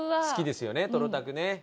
好きですよねとろたくね。